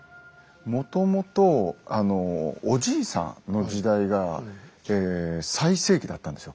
もともとおじいさんの時代が最盛期だったんですよ